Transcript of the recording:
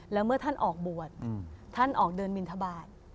แล้วเมื่อท่านออกบวชท่านออกเดินบินทบาท